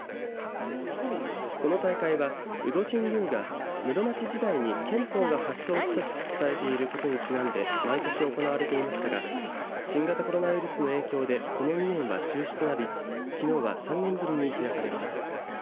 この大会は鵜戸神宮が室町時代に剣法が発祥した地とされていることにちなんで毎年行われていましたが新型コロナウイルスの影響でこの２年は中止となりきのうは３年ぶりに開かれました。